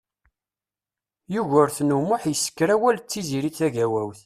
Yugurten U Muḥ isekker awal d Tiziri Tagawawt.